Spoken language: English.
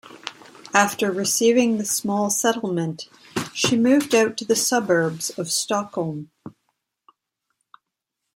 After receiving the small settlement, she moved out to the suburbs of Stockholm.